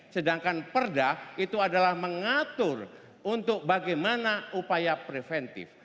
sedangkan perda itu adalah mengatur untuk bagaimana upaya preventif